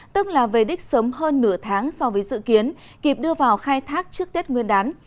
tức là về đích sớm hơn nửa tháng so với dự kiến kịp đưa vào khai thác trước tết nguyên đán